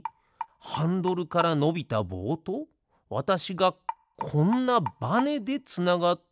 ハンドルからのびたぼうとわたしがこんなバネでつながっているだけ？